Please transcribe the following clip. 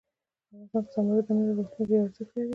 افغانستان کې زمرد د نن او راتلونکي لپاره ارزښت لري.